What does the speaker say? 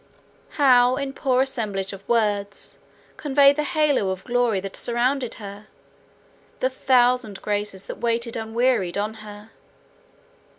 How in poor assemblage of words convey the halo of glory that surrounded her, the thousand graces that waited unwearied on her.